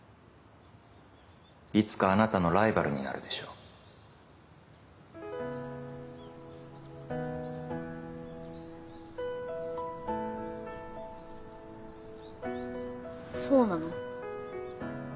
いつかあなたのライバルになるでしょそうなの？